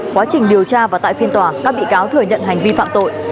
quá trình điều tra và tại phiên tòa các bị cáo thừa nhận hành vi phạm tội